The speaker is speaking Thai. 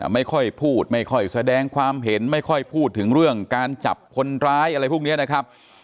ไม่ค่อยพูดไม่ค่อยแสดงความเห็นไม่ค่อยพูดถึงเรื่องการจับคนร้ายอะไรพวกนี้นะครับ